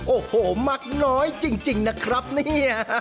โอ้โหมักน้อยจริงนะครับเนี่ย